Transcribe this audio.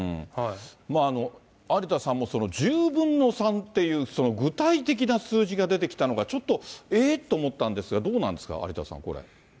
まあ、有田さんもその１０分の３っていう、具体的な数字が出てきたのが、ちょっと、ええ？と思ったんですが、どうなんですか、有田さん、これ。